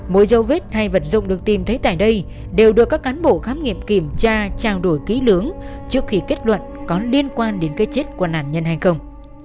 mỗi dấu vết hay vật dụng được tìm thấy tại đây đều được các cán bộ khám nghiệm kiểm tra trao đổi ký lưỡng trước khi kết luận có liên quan đến cái chết của nạn nhân hay không